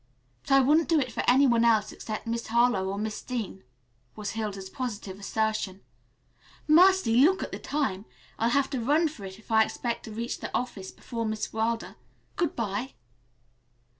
"But I wouldn't do it for any one else except Miss Harlowe or Miss Dean," was Hilda's positive assertion. "Mercy, look at the time! I'll have to run for it if I expect to reach the office before Miss Wilder. Good bye."